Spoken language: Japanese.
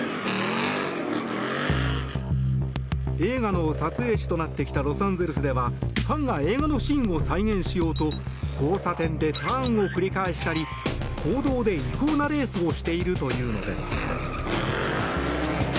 映画の撮影地となってきたロサンゼルスではファンが映画のシーンを再現しようと交差点でターンを繰り返したり公道で違法なレースをしているというのです。